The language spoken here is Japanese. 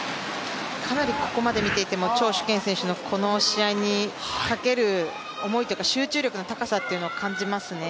かなりここまで見ていても張殊賢選手のこの試合にかける思いというか集中力の高さっていうのを感じますね。